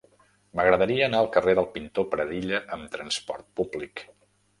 M'agradaria anar al carrer del Pintor Pradilla amb trasport públic.